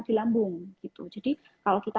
di lambung gitu jadi kalau kita